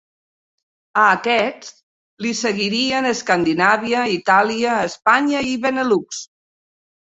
A aquests li seguirien Escandinàvia, Itàlia, Espanya i Benelux.